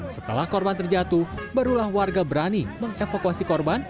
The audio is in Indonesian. setelah korban terjatuh barulah warga berani mengevakuasi korban